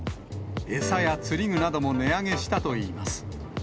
餌や釣り具なども値上げしたといいます。